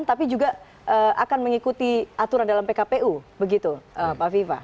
tapi juga akan mengikuti aturan dalam pkpu begitu pak viva